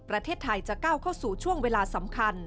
ประเทศไทยจะก้าวเข้าสู่ช่วงเวลาสำคัญ